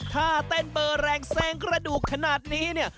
ถ้าเต้นเบอร์แรงเซงกระดูกขนาดนี้เนี่ย